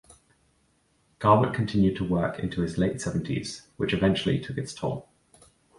Garbett continued to work into his late seventies, which eventually took its toll.